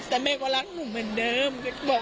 แต่แม่ก็รักหนูเหมือนเดิม